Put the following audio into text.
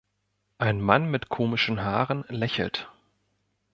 Ein Mann mit komischen Haaren lächelt.